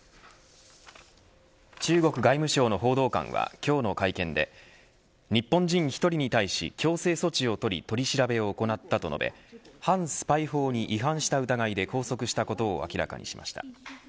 中国外務省の報道官は今日の会見で日本人１人に対し強制措置を取り取り調べを行ったと述べ反スパイ法に違反した疑いで拘束したことを明らかにしました。